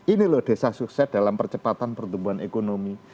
ini loh desa sukses dalam percepatan pertumbuhan ekonomi